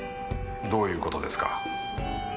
どういうことですか？